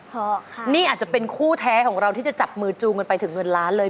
เพราะนี่อาจจะเป็นคู่แท้ของเราที่จะจับมือจูงกันไปถึงเงินล้านเลย